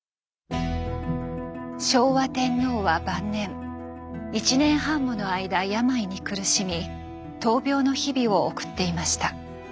昭和天皇は晩年１年半もの間病に苦しみ闘病の日々を送っていました。